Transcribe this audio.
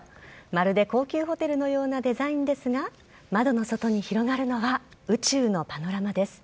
まるで高級ホテルのようなデザインですが窓の外に広がるのは宇宙のパノラマです。